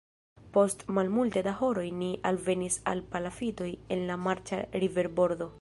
Post malmulte da horoj ni alvenis al palafitoj en la marĉa riverbordo.